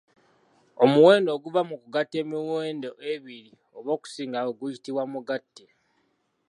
Omuwendo oguva mu kugatta emiwendo ebiri oba okusingawo guyitibwa mugatte